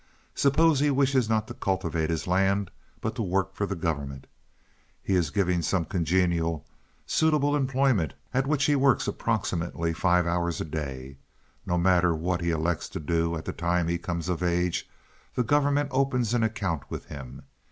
Suppose he wishes not to cultivate his land but to work for the government. He is given some congenial, suitable employment at which he works approximately five hours a day. No matter what he elects to do at the time he comes of age the government opens an account with him.